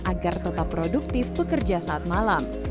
agar tetap produktif bekerja saat malam